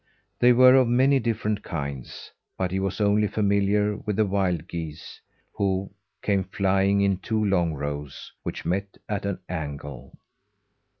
They were of many different kinds; but he was only familiar with the wild geese, who came flying in two long rows, which met at an angle.